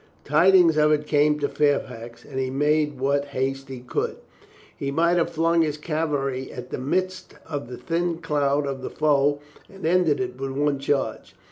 Tidings of it came to Fairfax and he made what haste he could. He might have flung his cavalry at the midst of the thin cloud of the foe and ended it with one charge.